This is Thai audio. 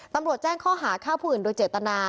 ตำรวจแจ้งข้อหาฆ่าผู้อื่นโดยเจตนา